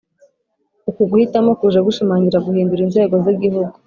uku guhitamo kuje gushimangira guhindura inzego z’igihugu